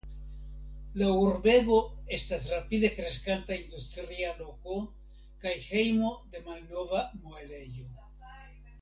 La urbego estas rapide kreskanta industria loko kaj hejmo de malnova muelejo.